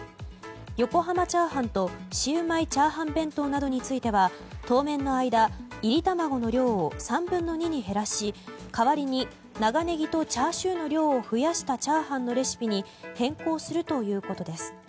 横濱チャーハンとシウマイ炒飯弁当などについては当面の間いり玉子の量を３分の２に減らし代わりに長ネギとチャーシューの量を増やしたチャーハンのレシピに変更するということです。